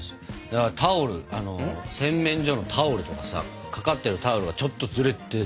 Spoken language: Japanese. だからタオル洗面所のタオルとかさ掛かってるタオルがちょっとずれてても嫌だからさ。